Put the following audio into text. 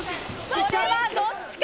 これはどっちか。